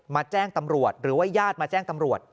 แจ้งตำรวจหรือว่าญาติมาแจ้งตำรวจ